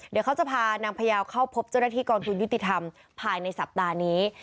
เดี๋ยวเขาจะพานางพยาวเข้าพบเจ้าหน้าที่กองทุนยุติธรรมภายในสัปดาห์นี้